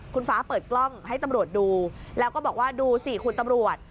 คุณฟ้าเปิดกล้องให้ตำรวจดูแล้วก็บอกว่าดูสิคุณตำรวจ